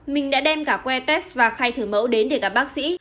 mình đã đem cả que test và khai thử mẫu đến để gặp bác sĩ